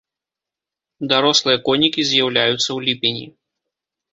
Дарослыя конікі з'яўляюцца ў ліпені.